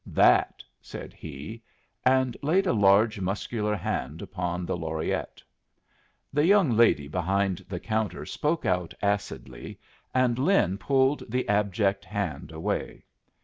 "That," said he, and laid a large muscular hand upon the Laureate. The young lady behind the counter spoke out acidly, and Lin pulled the abject hand away.